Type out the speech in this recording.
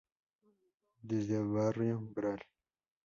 Desde barrio Gral.